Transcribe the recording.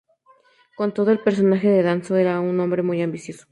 Con todo, el personaje de Danzō era un hombre muy ambicioso.